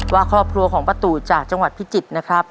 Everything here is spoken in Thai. ว่าครอบครัวของป้าตูจากจังหวัดพิจิตรนะครับ